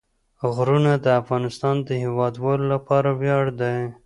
غرونه د افغانستان د هیوادوالو لپاره ویاړ دی.